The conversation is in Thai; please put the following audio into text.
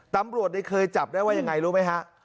ตำรวจเคยจับได้ว่ายังไงรู้ไหมฮะ